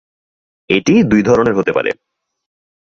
এটি দুই ধরনের হতে পারে।